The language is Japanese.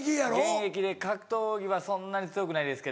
現役で格闘技はそんなに強くないですけど。